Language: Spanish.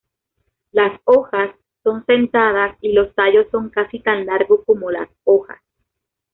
Las hojas son sentadas y los tallos son casi tan largos como las hojas.